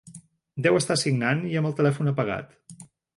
Deu estar signant i amb el telèfon apagat.